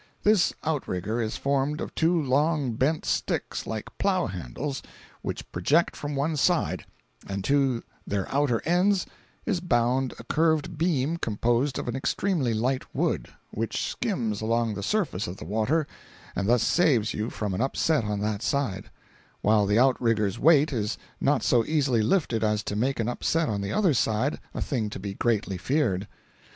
This outrigger is formed of two long bent sticks like plow handles, which project from one side, and to their outer ends is bound a curved beam composed of an extremely light wood, which skims along the surface of the water and thus saves you from an upset on that side, while the outrigger's weight is not so easily lifted as to make an upset on the other side a thing to be greatly feared.